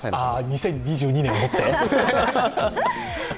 ２０２０年をもって？